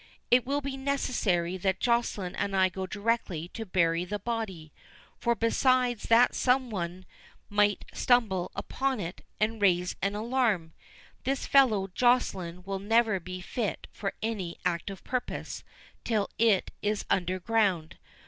It will be necessary that Joceline and I go directly to bury the body; for besides that some one might stumble upon it, and raise an alarm, this fellow Joceline will never be fit for any active purpose till it is under ground.